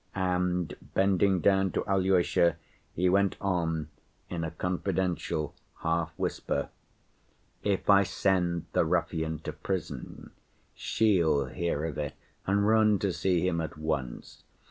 And bending down to Alyosha, he went on in a confidential half‐whisper. "If I send the ruffian to prison, she'll hear of it and run to see him at once.